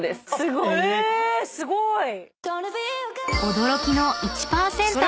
［驚きの１％！